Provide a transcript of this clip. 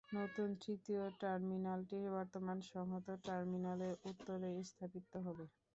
নতুন তৃতীয় টার্মিনালটি বর্তমান সংহত টার্মিনালের উত্তরে স্থাপিত হবে।